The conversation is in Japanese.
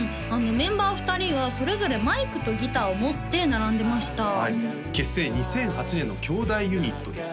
メンバー２人がそれぞれマイクとギターを持って並んでました結成２００８年の兄弟ユニットです